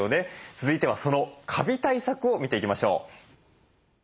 続いてはそのカビ対策を見ていきましょう。